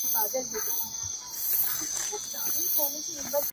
یو واده ته راغلی دی. بل جنازې ته